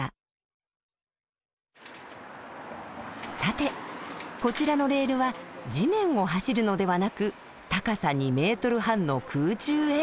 さてこちらのレールは地面を走るのではなく高さ２ｍ半の空中へ。